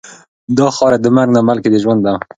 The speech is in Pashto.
دا خاوره د مرګ نه بلکې د ژوند وه.